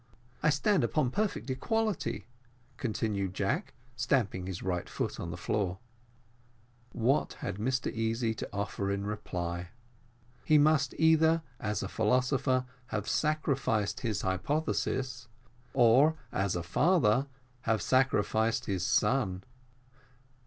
I stand upon perfect equality," continued Jack, stamping his right foot on the floor. What had Mr Easy to offer in reply? He must either, as a philosopher, have sacrificed his hypothesis, or, as a father, have sacrificed his son.